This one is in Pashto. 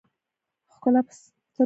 ښکلا په سترګو کښې وي